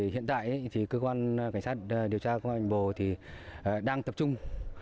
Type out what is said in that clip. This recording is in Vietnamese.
hiện tại cơ quan cảnh sát điều tra của hoành bồ đang tập trung